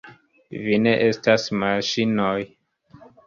Vi ne estas maŝinoj!